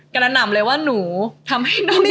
กระหน่ำเลยว่าหนูทำให้น้องนี่